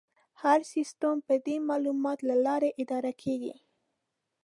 هر سیستم به د معلوماتو له لارې اداره کېږي.